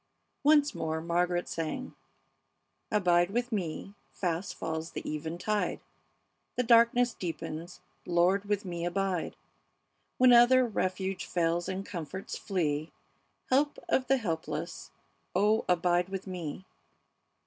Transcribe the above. Once more Margaret sang: "Abide with me; fast falls the eventide; The darkness deepens; Lord, with me abide! When other refuge fails and comforts flee, Help of the helpless, oh, abide with me!"